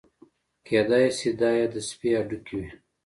کېدای شي دا یې د سپي هډوکي وي.